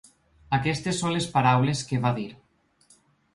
Aquestes són les paraules que va dir.